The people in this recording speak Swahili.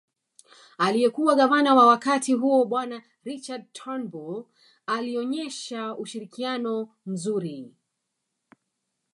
Aliyekuwa gavana wa wakati huo bwana Richard Turnbull alionyesha ushirikiano mzuri